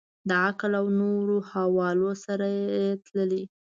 د عقل او نورو حوالو سره یې تللي.